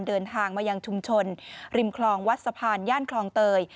เดินทางมายังชุมชนริมคลองวัดสะพานย่านคลองเตย